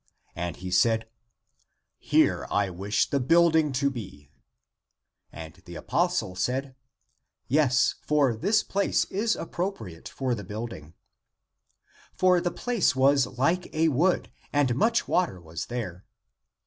And he said, " Here I w^ish the building to be !" And the apostle said, " Yes, for this place is appropriate for the building." For the place was like a wood, and much water was there.